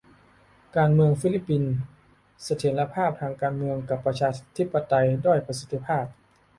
การเมืองฟิลิปปินส์ : เสถียรภาพทางการเมืองกับประชาธิปไตยด้อยประสิทธิภาพ